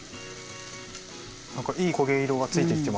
何かいい焦げ色がついてきてます。